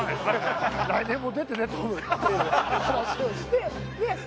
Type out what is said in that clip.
来年も出てねっていう話をして。